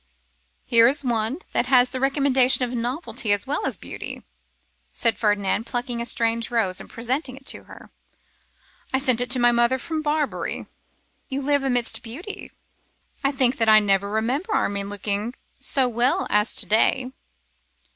'Here is one that has the recommendation of novelty as well as beauty,' said Ferdinand, plucking a strange rose, and presenting it to her. 'I sent it to my mother from Barbary.' 'You live amidst beauty.' 'I think that I never remember Armine looking so well as to day.